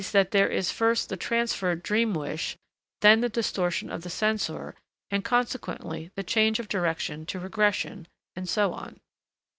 that there is first the transferred dream wish, then the distortion of the censor, and consequently the change of direction to regression, and so on.